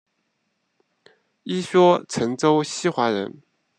一说陈州西华人。